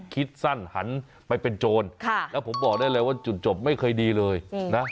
คิดสั้นหันไปเป็นโจรแล้วผมบอกได้เลยว่าจุดจบไม่เคยดีเลยนะ